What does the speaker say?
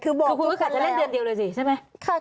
คือบอกว่าจะเล่นเดือนเดียวเลยสิใช่ไหม